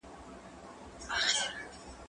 زه اوږده وخت د زده کړو تمرين کوم؟